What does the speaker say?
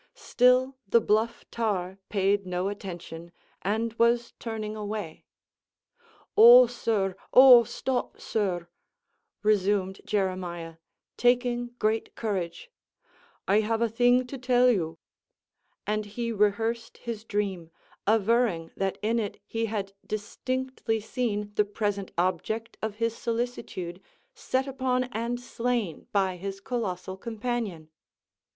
Still the bluff tar paid no attention, and was turning away. "Oh, sir; oh, stop, sir," resumed Jeremiah, taking great courage, "I have a thing to tell you;" and he rehearsed his dream, averring that in it he had distinctly seen the present object of his solicitude set upon and slain by his colossal companion.